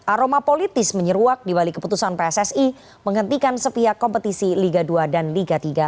aroma politis menyeruak di balik keputusan pssi menghentikan sepihak kompetisi liga dua dan liga tiga